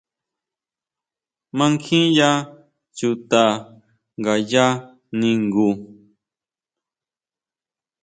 ¿Mankjiya chuta ngaya ningu?